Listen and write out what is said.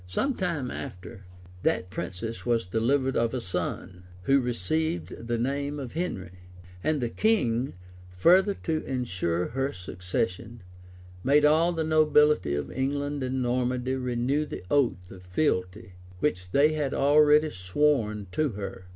Some time after, that princess was delivered of a son, {1132.} who received the name of Henry; and the king, further to insure her succession, made all the nobility of England and Normandy renew the oath of fealty, {1135.} which they had already sworn to her.